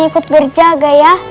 ikut berjaga ya